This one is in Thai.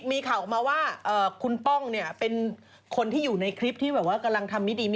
มีข่าวมาว่าคุณป้องเป็นคนที่อยู่ในคลิปที่กำลังทำมิดีมิดร้าย